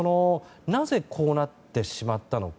なぜ、こうなってしまったのか。